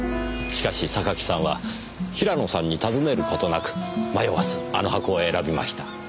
しかし榊さんは平野さんに尋ねることなく迷わずあの箱を選びました。